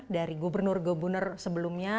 dari gubernur gubernur sebelumnya